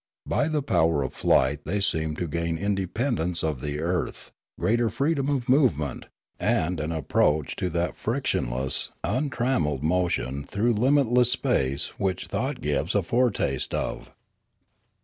By the power of flight they seemed to gain independence of the earth, greater freedom of movement, and an approach to that frictionless, untrammelled motion through limitless space which thought gives a foretaste of.